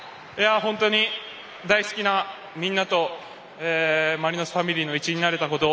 本当に大好きなみんなとマリノスファミリーの一員になれたこと